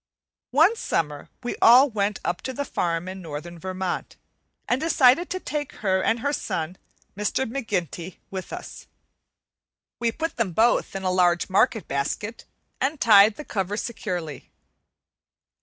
One summer we all went up to the farm in northern Vermont, and decided to take her and her son, "Mr. McGinty," with us. We put them both in a large market basket and tied the cover securely.